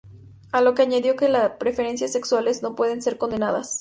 A lo que añadió que las preferencias sexuales no pueden ser condenadas.